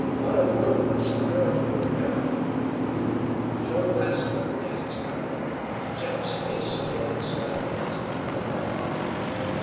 "What of Rose the girl you were to marry?" Joe glanced quickly at his brother. Jim's face paled slightly as he turned away.